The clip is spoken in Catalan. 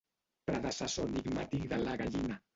Predecessor enigmàtic de la gallina.